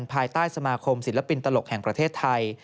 ภายใต้สมาคมศิลปินตลกแห่งประเทศไทย